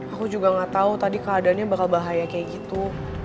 aku juga nggak tahu tadi keadaannya bakal bahaya kayak gitu